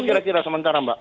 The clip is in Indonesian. kira kira sementara mbak